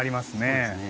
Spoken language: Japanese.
そうですね